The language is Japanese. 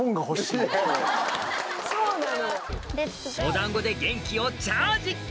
お団子で元気をチャージ！